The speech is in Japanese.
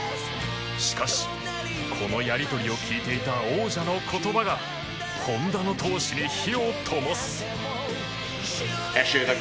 しかしこのやり取りを聞いていた王者の言葉が本多の闘志に火を灯す